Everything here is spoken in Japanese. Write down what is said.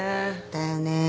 だよね。